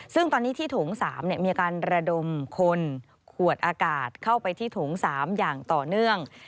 ซึ่งตอนนี้ที่โถง๓มีการระดมคนขวดอากาศเข้าไปที่โถง๓อย่างต่อเนื่อง